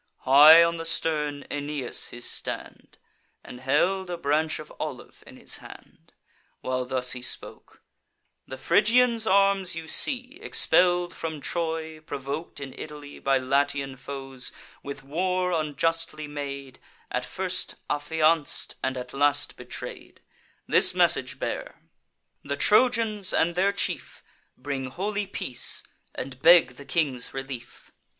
High on the stern Aeneas took his stand, And held a branch of olive in his hand, While thus he spoke: "The Phrygians' arms you see, Expell'd from Troy, provok'd in Italy By Latian foes, with war unjustly made; At first affianc'd, and at last betray'd. This message bear: 'The Trojans and their chief Bring holy peace, and beg the king's relief.